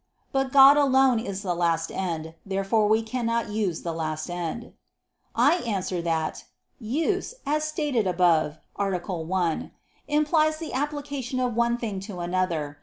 But God alone is the last end. Therefore we cannot use the last end. I answer that, Use, as stated above (A. 1), implies the application of one thing to another.